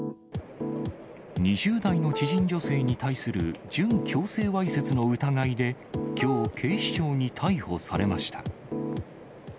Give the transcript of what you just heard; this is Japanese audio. ２０代の知人女性に対する準強制わいせつの疑いで、きょう、警視庁に逮捕されました。